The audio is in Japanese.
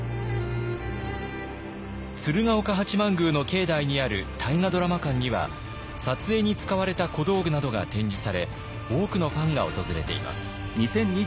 鶴岡八幡宮の境内にある大河ドラマ館には撮影に使われた小道具などが展示され多くのファンが訪れています。